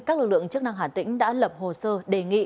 các lực lượng chức năng hà tĩnh đã lập hồ sơ đề nghị